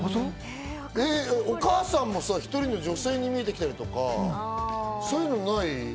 お母さんも一人の女性に見えてきたりとか、そういうのない？